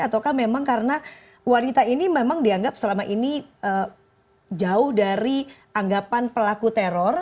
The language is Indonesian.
ataukah memang karena wanita ini memang dianggap selama ini jauh dari anggapan pelaku teror